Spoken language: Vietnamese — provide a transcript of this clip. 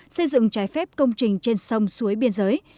xây dựng trái phép công trình trên sông suối biên giới